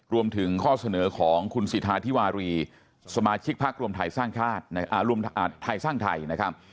รวมถึงข้อเสนอของคุณศิษฐาธิวารีสมาชิกภักดิ์รวมไทยสร้างทายนะครับ